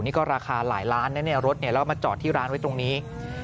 นี่ก็ราคาหลายล้านนะเนี่ยรถแล้วก็มาจอดที่ร้านไว้ตรงนี้